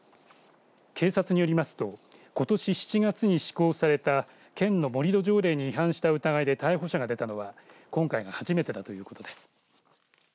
警察によりますとことし７月に施行された県の盛り土条例に違反した疑いで逮捕者が出たのは今回が初めてだということです。